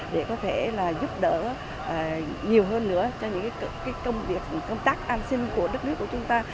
để có thể là giúp đỡ nhiều hơn nữa cho những công việc công tác an sinh của đất nước của chúng ta